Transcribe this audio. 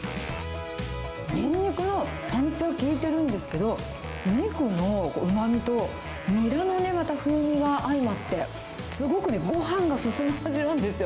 ニンニクのパンチは効いてるんですけど、お肉のうまみとニラのまた風味が相まって、すごくね、ごはんが進む味なんですよ。